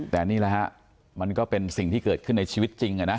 แต่นี่แหละฮะมันก็เป็นสิ่งที่เกิดขึ้นในชีวิตจริงนะ